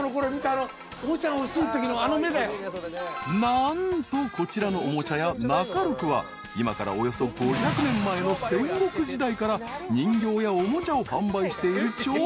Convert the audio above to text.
［何とこちらのおもちゃ屋中六は今からおよそ５００年前の戦国時代から人形やおもちゃを販売している超老舗］